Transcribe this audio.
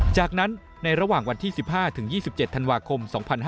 จากนั้นในระหว่างวันที่๑๕๒๗ธันวาคม๒๕๕๙